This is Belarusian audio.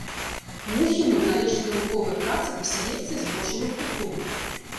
Мухіну належаць навуковыя працы па селекцыі збожжавых культур.